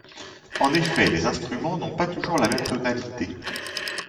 En effet, les instruments n'ont pas toujours la même tonalité.